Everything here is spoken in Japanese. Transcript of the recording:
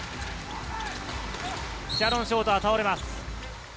シャノン・ショーターが倒れます。